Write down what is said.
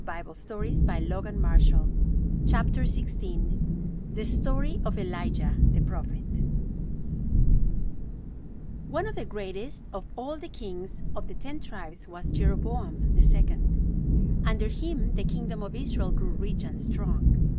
[Illustration: Ship in Solomon's time] THE STORY OF ELIJAH, THE PROPHET One of the greatest of all the kings of the Ten Tribes was Jeroboam the second. Under him the kingdom of Israel grew rich and strong.